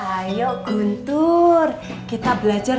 ayo guntur kita belajar